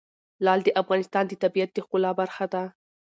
لعل د افغانستان د طبیعت د ښکلا برخه ده.